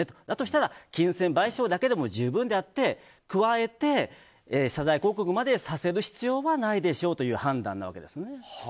だとしたら金銭賠償だけで十分で加えて謝罪広告までさせる必要はないでしょうという判断ですね。